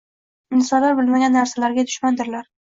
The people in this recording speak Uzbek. Insonlar bilmagan narsalariga dushmandirlar.